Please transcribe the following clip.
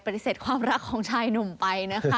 ปฏิเสธความรักของชายหนุ่มไปนะคะ